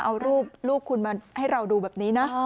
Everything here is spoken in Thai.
เอารูปลูกคุณมาให้เราดูแบบนี้นะ